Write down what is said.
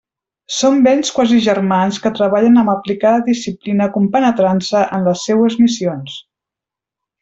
Són vents quasi germans que treballen amb aplicada disciplina compenetrant-se en les seues missions.